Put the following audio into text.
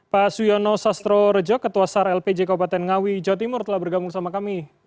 pak suyono sastro rejo ketua sar lpj kabupaten ngawi jawa timur telah bergabung sama kami